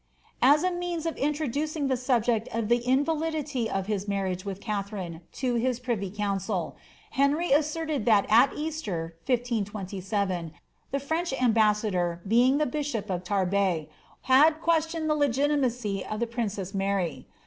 ^' As a means of intnxlucing the suiject of tlic invalidity of his mar riage with Katharine to his privy council, Henry asserted that at Easter. 1527, the French ambassador, being the bishop of Tarbes, had ques tioned the legitimacy of the princess Mary.'